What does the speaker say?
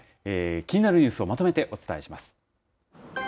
気になるニュースをまとめてお伝えします。